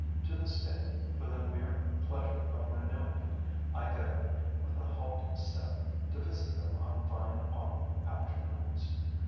To this day, for the mere pleasure of renewing it, I go, with a halting step, to visit them on fine autumn afternoons.